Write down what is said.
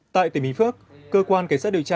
tại tỉnh bình phước cơ quan cảnh sát điều tra